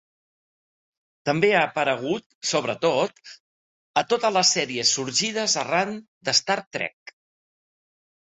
També ha aparegut, sobretot, a totes les sèries sorgides arran d'"Star Trek".